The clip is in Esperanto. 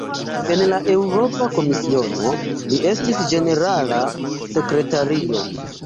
En la Eŭropa Komisiono, li estis "ĝenerala sekretario".